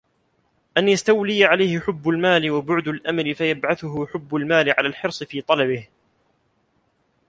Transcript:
أَنْ يَسْتَوْلِيَ عَلَيْهِ حُبُّ الْمَالِ وَبُعْدُ الْأَمَلِ فَيَبْعَثُهُ حُبُّ الْمَالِ عَلَى الْحِرْصِ فِي طَلَبِهِ